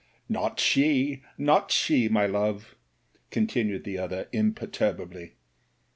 "Not she, not she, my love," continued the other imperturbably.